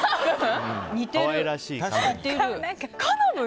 似てる。